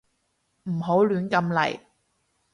唔好亂咁嚟